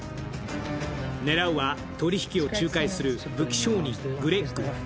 狙うは取り引きを仲介する武器商人・グレッグ。